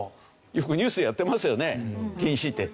よくニュースでやってますよね禁止って。